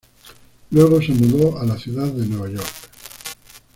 Luego se mudó a la ciudad de Nueva York.